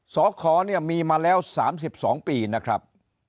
สขเนี่ยมีมาแล้ว๓๒ปีนะครับ